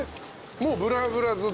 もうぶらぶらずっと。